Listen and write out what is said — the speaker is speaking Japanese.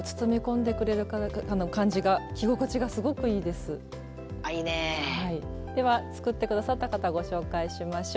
では作って下さった方ご紹介しましょう。